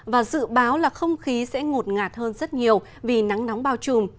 và dự báo là không khí sẽ ngột ngạt hơn rất nhiều vì nắng nóng bao trùm